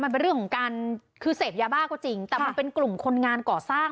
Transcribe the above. มันเป็นเรื่องของการคือเสพยาบ้าก็จริงแต่มันเป็นกลุ่มคนงานก่อสร้าง